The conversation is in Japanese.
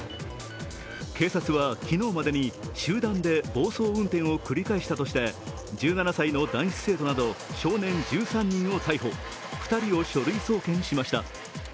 警察は昨日までに集団で暴走運転を繰り返したとして１７歳の男子生徒など少年１３人を逮捕、２人を書類送検しました。